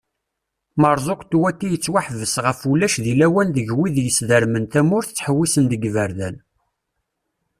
Marzuq Tewwati yettwaḥbes ɣef ulac di lawan deg wid yesdermen tamurt ttḥewissen deg iberdan.